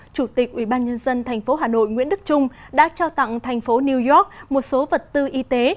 chủ tịch ubnd tp hà nội nguyễn đức trung đã trao tặng thành phố new york một số vật tư y tế